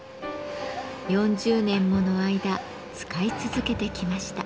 ４０年もの間使い続けてきました。